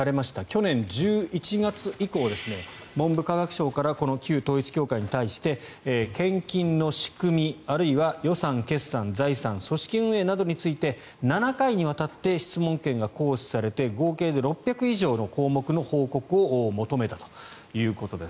去年１１月以降文部科学省から旧統一教会に対して献金の仕組みあるいは予算・決算・財産組織運営などについて７回にわたって質問権が行使されて合計で６００以上の項目の報告を求めたということです。